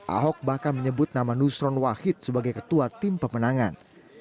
ahok bahkan menyebut nama nusron wahid sebagai ketua tim pemenangan